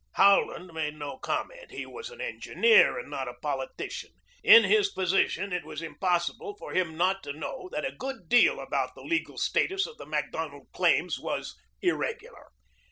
Howland made no comment. He was an engineer and not a politician. In his position it was impossible for him not to know that a good deal about the legal status of the Macdonald claims was irregular.